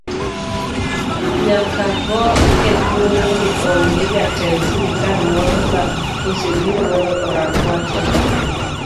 Nyaka go e thuoloni onge jatend sirikal moro ma osebiro mondo orang wachni.